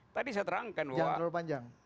tadi saya terangkan bahwa